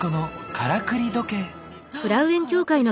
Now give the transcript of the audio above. からくり時計。